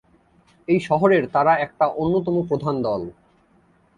এই শহরের তারা একটা অন্যতম প্রধান দল।